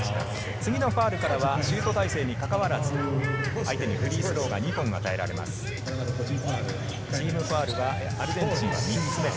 次のファウルからはシュート体勢にかかわらず相手にフリースローが２本与えられます。